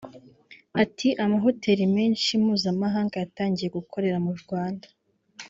Ati “Amahoteli menshi mpuzamahanga yatangiye gukorera mu Rwanda